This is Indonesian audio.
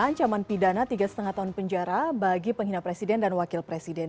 ancaman pidana tiga lima tahun penjara bagi penghina presiden dan wakil presiden